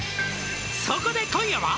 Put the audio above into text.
「そこで今夜は」